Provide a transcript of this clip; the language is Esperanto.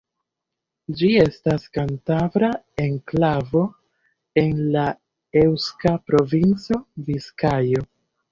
Ĝi estas kantabra enklavo en la eŭska provinco Biskajo.